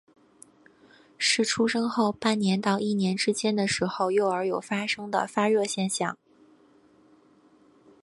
是出生后半年到一年之间的时候幼儿有发生的发热现象。